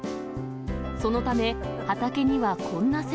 そのため、畑には、こんな設